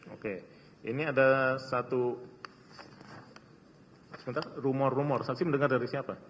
oke ini ada satu sebentar rumor rumor saksi mendengar dari siapa